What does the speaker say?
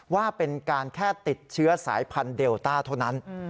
ว่าเป็นการแค่ติดเชื้อสายพันธุเดลต้าเท่านั้น